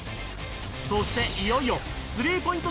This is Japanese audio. そしていよいよ３ポイント